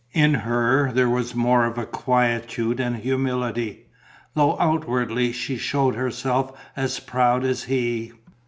In her there was more of quietude and humility, though outwardly she showed herself as proud as he.